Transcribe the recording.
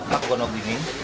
pak gue nunggu gini